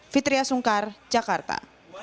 fitriah sungkar jakarta